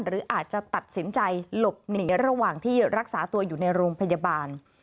หรืออาจจะตัดสินใจหลบหนีระหว่างที่รักษาตัวอยู่ในโรงพยาบาล